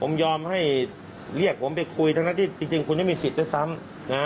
ผมไปคุยทั้งที่จริงคุณไม่มีสิทธิ์ด้วยซ้ำ